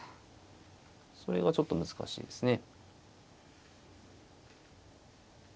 それがちょっと難しいですね。